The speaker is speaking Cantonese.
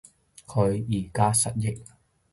佢而家失憶